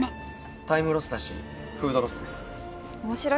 タイムロスだしフードロスです。